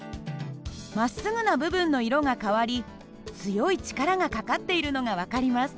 まっすぐな部分の色が変わり強い力がかかっているのが分かります。